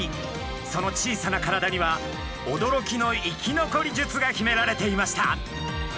その小さな体にはおどろきの生き残り術が秘められていました。